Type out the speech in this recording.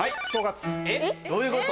どういうこと？